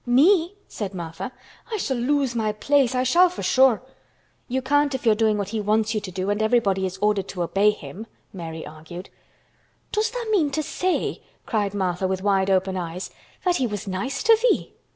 "Me!" said Martha; "I shall lose my place—I shall for sure!" "You can't if you are doing what he wants you to do and everybody is ordered to obey him," Mary argued. "Does tha' mean to say," cried Martha with wide open eyes, "that he was nice to thee!"